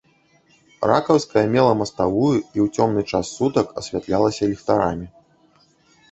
Ракаўская мела маставую і ў цёмны час сутак асвятлялася ліхтарамі.